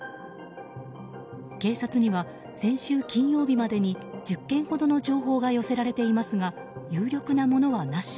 警察には、先週金曜日までに１０件ほどの情報が寄せられていますが有力なものはなし。